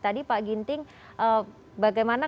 tadi pak ginting bagaimana